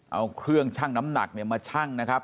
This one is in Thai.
เอาเครื่องชั่งน้ำหนักเนี่ยมาชั่งนะครับ